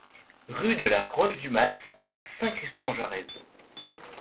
Rue de la Roche du Mas à Saint-Christo-en-Jarez